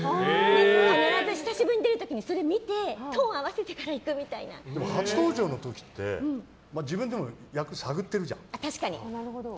必ず久しぶりに出る時にそれ見てトーンを合わせてでも初登場の時って自分でも役を探ってるじゃん。